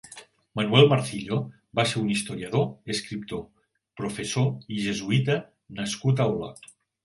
Manuel Marcillo va ser un historiador, escriptor, professor i jesuïta nascut a Olot.